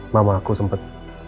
mama aku sempat